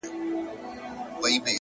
زه د یویشتم قرن ښکلا ته مخامخ یم،